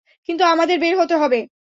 কিন্তু আমাদের বের হতে হবে।